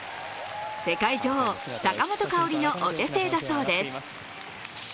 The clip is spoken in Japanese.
世界女王・坂本花織のお手製だそうです。